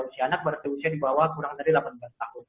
usia anak berarti usia di bawah kurang dari delapan belas tahun